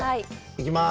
行きます。